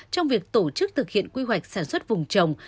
trong việc tổ chức thực hiện quy hoạch sản xuất vùng trồng